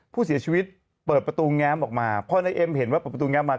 ผู้เสียชีวิตเปิดประตูแง้มออกมาพอนายเอ็มเห็นว่าเปิดประตูแง้มมา